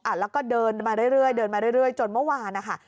อ่ะแล้วก็เดินมาเรื่อยถึงเมื่อวานค่ะ